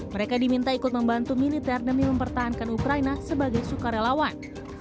mereka diminta ikut membantu militer demi mempertahankan ukraina sebagai sukarelawan